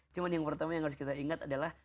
cuma yang pertama yang harus kita ingat adalah